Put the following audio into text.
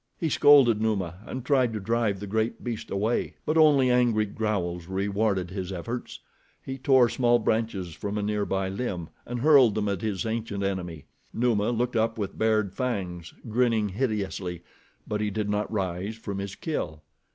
He scolded Numa and tried to drive the great beast away; but only angry growls rewarded his efforts. He tore small branches from a nearby limb and hurled them at his ancient enemy. Numa looked up with bared fangs, grinning hideously, but he did not rise from his kill.